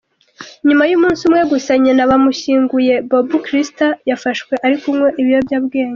Nyuma y’umunsi umwe gusa nyina bamushyinguye, Bobbi Kristina yafashwe ari kunywa ibyobyabwenge.